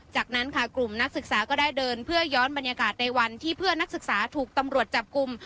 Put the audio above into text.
จากนั้นค่ะกลุ่มนักศึกษาก็ได้เดินเพื่อย้อนบรรยากาศในวันที่เพื่อนนักศึกษาถูกตำรวจจับกลุ่ม